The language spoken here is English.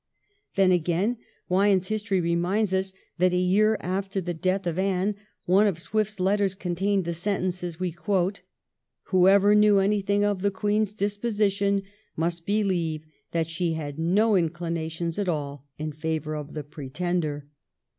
Then, again, Wyon's history reminds us that a year after the death of Anne one of Swift's letters contained the sentences we quote. ' Whoever knew anything of the Queen's disposition must believe that she had no inclinations at all in favour of the Pretender.